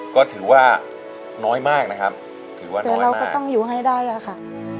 ก็ถือว่าน้อยมากนะครับถือว่าได้แต่เราก็ต้องอยู่ให้ได้อะค่ะ